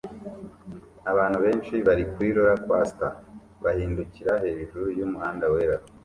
Abantu benshi bari kuri roller coaster bahindukirira hejuru yumuhanda wera